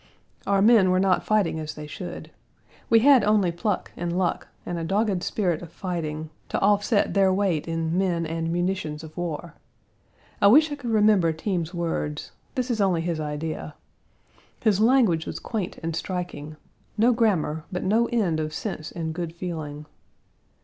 Our men were not fighting as they should. We had only pluck and luck and a dogged spirit of fighting, to offset their weight in men and munitions of war, I wish I could remember Team's words; this is only his idea. His language was quaint and striking no grammar, but no end of sense and good feeling.